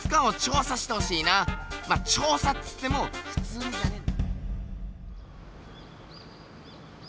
まっ調査っつってもふつうじゃねえんだ。